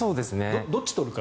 どっちを取るか。